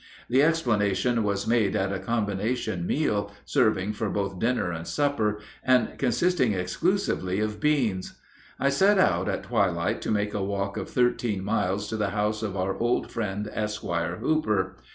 The explanation was made at a combination meal, serving for both dinner and supper, and consisting exclusively of beans. I set out at twilight to make a walk of thirteen miles to the house of our old friend Esquire Hooper.